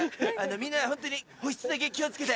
みんなホントに保湿だけ気を付けて。